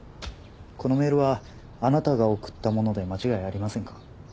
このメールはあなたが送ったもので間違いありませんか？